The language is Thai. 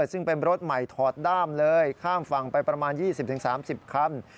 ซึ่งเป็นรถใหม่ถอดด้ามเลยข้ามฝั่งไปประมาณ๒๐๓๐คัน